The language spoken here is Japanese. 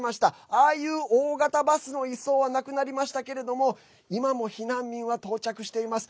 ああいう大型バスの移送はなくなりましたけども今も避難民は到着しています。